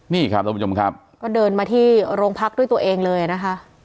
นี่ครับท่านผู้ชมครับก็เดินมาที่โรงพักด้วยตัวเองเลยนะคะ